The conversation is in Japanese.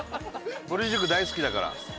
ぼる塾大好きだから。